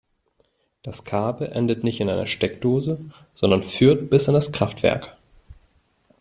Das Kabel endet nicht in einer Steckdose, sondern führt bis in das Kraftwerk.